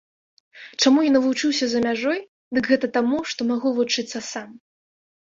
Чаму я навучыўся за мяжой, дык гэта таму, што магу вучыцца сам.